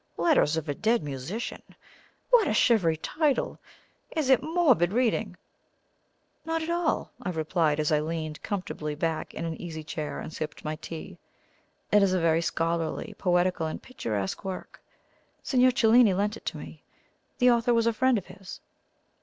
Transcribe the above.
"'Letters of a Dead Musician!' What a shivery title! Is it morbid reading?" "Not at all," I replied, as I leaned comfortably back in an easy chair and sipped my tea. "It is a very scholarly, poetical, and picturesque work. Signor Cellini lent it to me; the author was a friend of his."